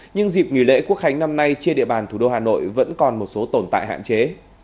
nhưng dịp nghỉ lễ quốc khánh năm nay trên địa bàn thủ đô hà nội vẫn còn một số tồn tại hạn chế